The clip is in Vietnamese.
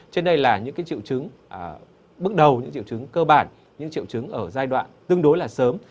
trên đây là những triệu chứng bước đầu những triệu chứng cơ bản những triệu chứng ở giai đoạn tương đối là sớm